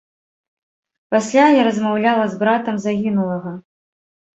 Пасля я размаўляла з братам загінулага.